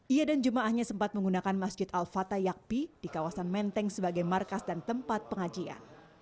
ia dan jemaahnya sempat menggunakan masjid al fatah yakpi di kawasan menteng sebagai markas dan tempat pengajian